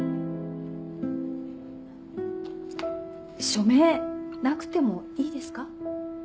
署名なくてもいいですか？